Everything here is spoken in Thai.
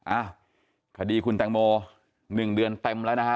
อ่ะคดีคุณแตงโม๑เดือนเต็มแล้วนะฮะ